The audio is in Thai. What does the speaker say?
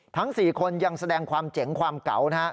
ทั้ง๔คนยังแสดงความเจ๋งความเก๋านะฮะ